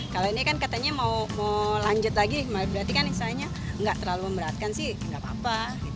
kalau ini kan katanya mau lanjut lagi berarti kan istilahnya nggak terlalu memberatkan sih nggak apa apa